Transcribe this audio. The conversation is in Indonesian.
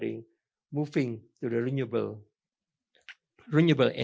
mengenai pindah ke energi krena